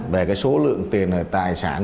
về cái số lượng tiền tài sản